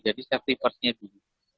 jadi safety first nya dulu